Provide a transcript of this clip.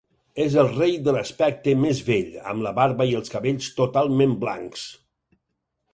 És el rei amb l'aspecte més vell, amb la barba i els cabells totalment blancs.